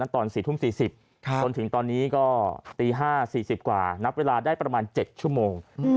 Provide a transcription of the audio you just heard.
ตอน๔ทุ่ม๔๐จนถึงตอนนี้ก็ตี๕๔๐กว่านับเวลาได้ประมาณ๗ชั่วโมง